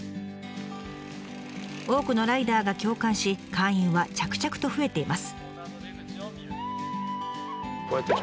多くのライダーが共感し会員は着々と増えています。